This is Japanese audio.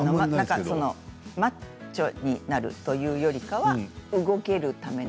マッチョになるというよりかは動けるための。